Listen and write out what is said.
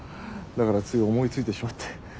だからつい思いついてしまって。